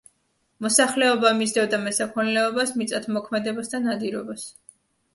მოსახლეობა მისდევდა მესაქონლეობას, მიწათმოქმედებას და ნადირობას.